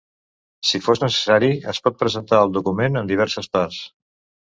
Si fos necessari, es pot presentar el document en diverses parts.